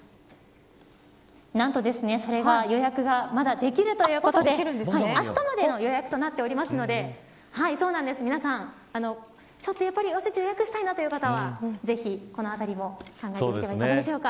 何と、それが予約がまだできるということであしたまでの予約となっているので皆さん、おせちを予約したいという方はぜひ、このあたりを考えてみてはいかがでしょうか。